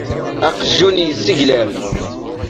Aqjun yesseglaf.